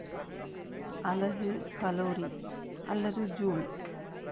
அலகு கலோரி அல்லது ஜூல்.